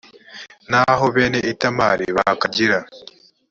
naho bene itamari bakagira